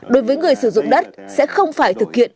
đối với người sử dụng đất sẽ không phải thực hiện